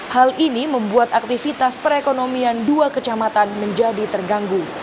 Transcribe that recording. hal ini membuat aktivitas perekonomian dua kecamatan menjadi terganggu